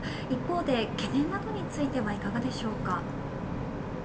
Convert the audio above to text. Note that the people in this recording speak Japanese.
一方で、懸念などについてはいかがですか。